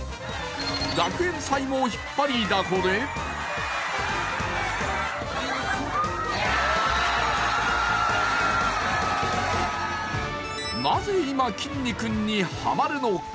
学園祭も引っ張りだこでなぜ今、きんに君にハマるのか。